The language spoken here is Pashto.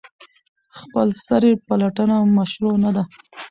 خپلسري پلټنه مشروع نه ده.